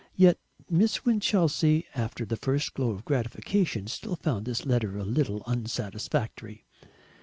Yet Miss Winchelsea, after the first glow of gratification, still found this letter a little unsatisfactory.